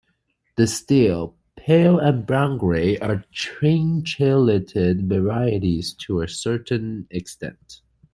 The steel, pale and brown grey are chinchillated varieties to a certain extent.